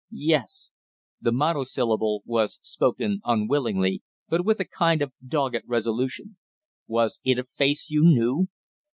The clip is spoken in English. "Yes " the monosyllable was spoken unwillingly, but with a kind of dogged resolution. "Was it a face you knew?"